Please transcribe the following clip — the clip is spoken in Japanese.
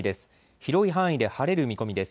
広い範囲で晴れる見込みです。